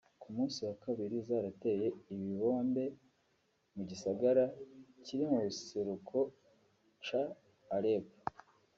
ku musi wa kabiri zarateye ibibombe mu gisagara kiri mu buseruko ca Alep